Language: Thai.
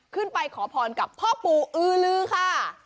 ขึ้นไปขอผอนกับพ่อปู่อื้อลื้อค่ะ